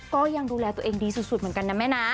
ก็ยังดูแลตัวเองดีสุดเหมือนกันนะแม่นะ